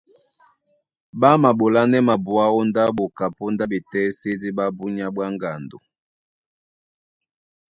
Ɓá maɓolánɛ́ mabuá ó ndáɓo kapóndá ɓetésédí ɓá búnyá ɓwá ŋgando,